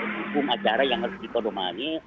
hukum acara yang harus dipedomani